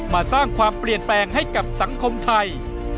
มาสร้างความเปลี่ยนแปลงให้กับสังคมไทย